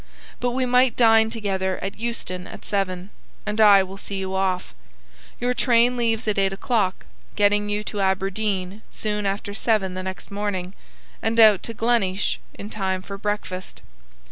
But we might dine together at Euston at seven, and I will see you off. Your train leaves at eight o'clock, getting you to Aberdeen soon after seven the next morning, and out to Gleneesh in time for breakfast.